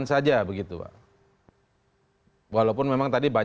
partai partai yang lain